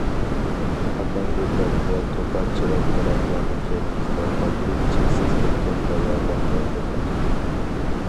پاكار ئۆيلەر ۋە توپا چىراي دەرەخلەرنى كەينىمىزدە قالدۇرۇپ، چەكسىز كەتكەن باياۋانغا يول ئالدۇق.